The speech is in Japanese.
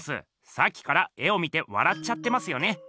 さっきから絵を見てわらっちゃってますよね。